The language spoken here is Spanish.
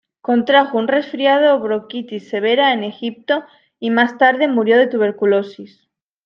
Contrajo un resfriado o bronquitis severa en Egipto, y más tarde murió de tuberculosis.